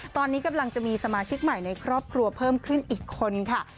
ตอนนี้กำลังจะมีสมาชิกใหม่ในครอบครัวเพิ่มขึ้นอีกคนค่ะ